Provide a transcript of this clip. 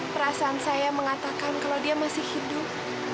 perasaan saya mengatakan kalau dia masih hidup